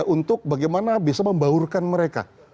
untuk bagaimana bisa membaurkan mereka